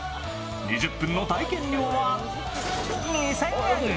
２０分の体験料は２０００円。